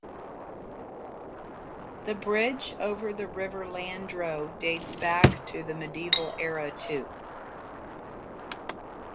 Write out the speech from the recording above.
The bridge over the river Landro dates back to the medieval era too.